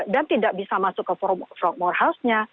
dan tidak bisa masuk ke frogmore house nya